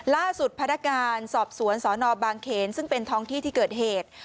พนักการสอบสวนสนบางเขนซึ่งเป็นท้องที่ที่เกิดเหตุ